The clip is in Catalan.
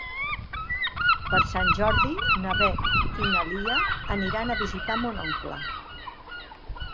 Per Sant Jordi na Beth i na Lia aniran a visitar mon oncle.